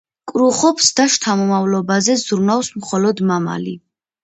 კრუხობს და შთამომავლობაზე ზრუნავს მხოლოდ მამალი.